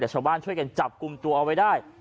แต่ชาวบ้านช่วยกันจับกลุ่มตัวเอาไว้ได้